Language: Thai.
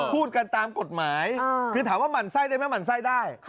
พูดกันตามกฎหมายคือถามว่าหมั่นไส้ได้ไหมหมั่นไส้ได้